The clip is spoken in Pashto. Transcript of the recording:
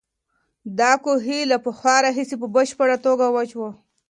دا کوهی له پخوا راهیسې په بشپړه توګه وچ و.